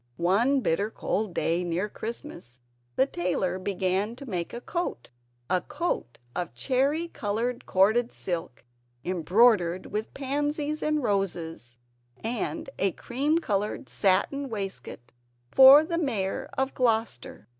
One bitter cold day near Christmastime the tailor began to make a coat (a coat of cherry coloured corded silk embroidered with pansies and roses) and a cream coloured satin waistcoat for the Mayor of Gloucester.